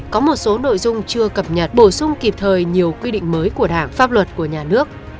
có một số nội dung chưa cập nhật bổ sung kịp thời nhiều quy định mới của đảng pháp luật của nhà nước